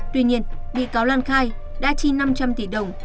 tuy nhiên bị cáo lan khai đã chi năm trăm linh tỷ đồng